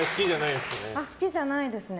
好きじゃないですね。